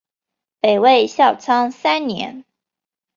北魏孝昌三年。